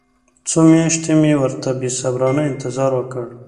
څو میاشتې مې ورته بې صبرانه انتظار وکړ.